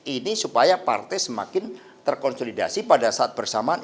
ini supaya partai semakin terkonsolidasi pada saat bersamaan